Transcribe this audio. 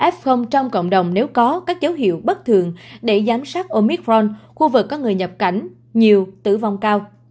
f trong cộng đồng nếu có các dấu hiệu bất thường để giám sát omitforn khu vực có người nhập cảnh nhiều tử vong cao